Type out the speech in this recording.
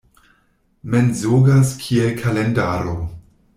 Mensogas kiel kalendaro.